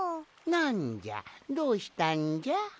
なんじゃどうしたんじゃ？